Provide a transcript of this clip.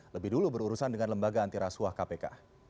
lebih dulu berurusan dengan lembaga antirasuah kpk